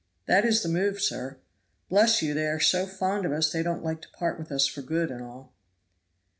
That is the move, sir. Bless you, they are so fond of us they don't like to part with us for good and all."